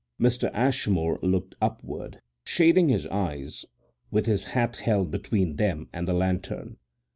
Mr. Ashmore looked upward, shading his eyes with his hat held between them and the lantern.